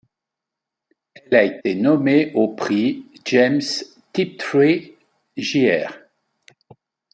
Elle a été nommée au prix James Tiptree, Jr.